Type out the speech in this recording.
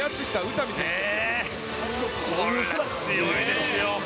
これは強いですよ。